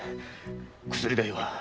薬代は。